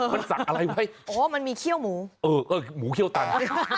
มันสักอะไรไว้โอ้มันมีเขี้ยวหมูเออเออหมูเขี้ยวตัน